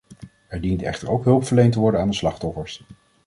Er dient echter ook hulp verleend te worden aan de slachtoffers.